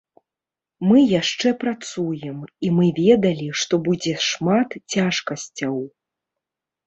Мы яшчэ працуем, і мы ведалі, што будзе шмат цяжкасцяў.